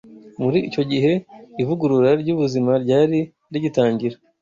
Muri icyo gihe, ivugurura ry’ubuzima ryari rigitangira.